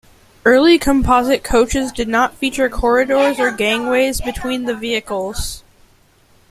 Early composite coaches did not feature corridors or gangways between the vehicles.